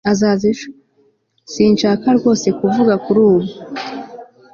sinshaka rwose kuvuga kuri ubu